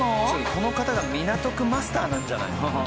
この方が港区マスターなんじゃない？